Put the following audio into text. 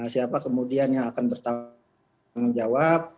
siapa kemudian yang akan bertanggung jawab